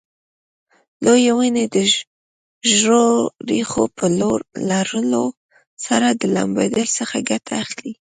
لویې ونې د ژورو ریښو په لرلو سره د لمدبل څخه ګټه اخلي.